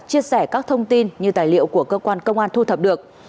chia sẻ các thông tin như tài liệu của cơ quan công an thu thập được